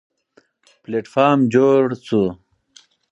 پلېټفارم جوړ شو.